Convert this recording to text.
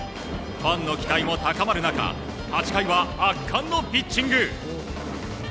ファンの期待も高まる中８回は圧巻のピッチング。